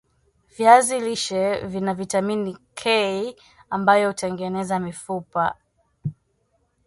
viazi lishe Vina vitamini K ambayo hutengeneza mifupa